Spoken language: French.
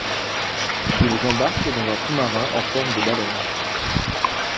Ils embarquent dans un sous-marin en forme de baleine.